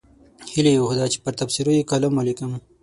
هیله یې وښوده چې پر تبصرو یې کالم ولیکم.